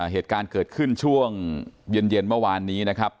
เหตุการณ์เกิดขึ้นช่วงเย็นเมื่อวานนี้นะครับ